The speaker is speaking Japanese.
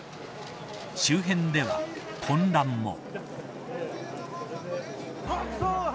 周辺では混乱も。